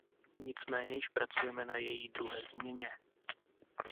Nicméně již pracujeme na její druhé změně.